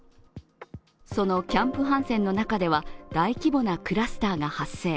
そのキャンプ・ハンセンの中では大規模なクラスターが発生。